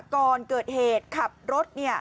ก่อนเกิดเหตุขับรถ